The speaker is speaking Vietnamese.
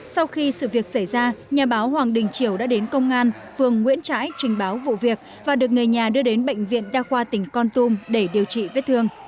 sau khi sự việc xảy ra nhà báo hoàng đình triều đã đến công an phường nguyễn trãi trình báo vụ việc và được người nhà đưa đến bệnh viện đa khoa tỉnh con tum để điều trị vết thương